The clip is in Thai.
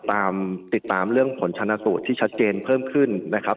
ติดตามเรื่องผลชนะสูตรที่ชัดเจนเพิ่มขึ้นนะครับ